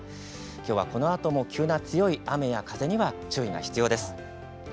きょうはこのあとも急な強い雨や風には注意が必要です。